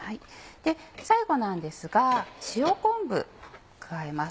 最後なんですが塩昆布加えます。